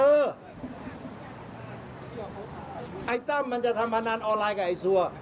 ไอ้ตั้มมันจะทำพนันออนไลน์กับไอ้ซัว